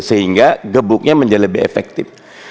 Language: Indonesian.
sehingga gebuknya menjadi lebih efektif